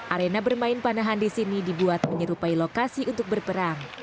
arena bermain panahan di sini dibuat menyerupai lokasi untuk berperang